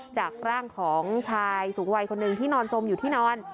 จากร่างของชายสูงวัยคนหนึ่งที่นอนสมอยู่ที่นอน